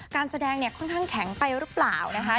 การแสดงเนี่ยค่อนข้างแข็งไปหรือเปล่านะคะ